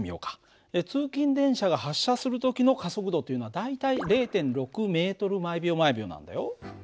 通勤電車が発車する時の加速度というのは大体０．６ｍ／ｓなんだよ。